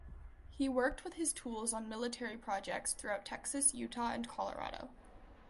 He worked with his tools on military projects throughout Texas, Utah and Colorado.